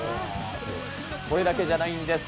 これだけじゃないんです。